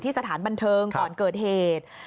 สถานบันเทิงก่อนเกิดเหตุ